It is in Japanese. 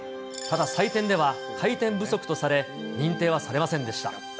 ただ、採点では回復不足とされ、認定はされませんでした。